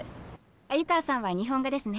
鮎川さんは日本画ですね。